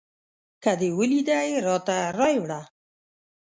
که دې ولیدی راته رایې وړه